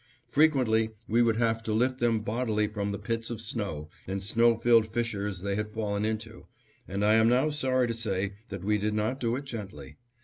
Frequently we would have to lift them bodily from the pits of snow, and snow filled fissures they had fallen into, and I am now sorry to say that we did not do it gently.